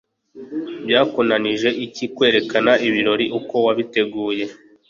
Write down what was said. Byakunanije iki kwerekana ibirori uko wabiteguye,